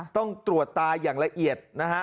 ต้องตรวจตาอย่างละเอียดนะฮะ